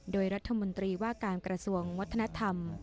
โดยรัฐมนตรีว่าการกระทรวงวัฒนธรรม